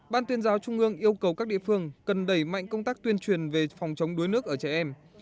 ban tuyên giáo trung ương yêu cầu các địa phương cần đẩy mạnh công tác tuyên truyền về phòng chống đuối nước ở trẻ em